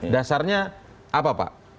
dasarnya apa pak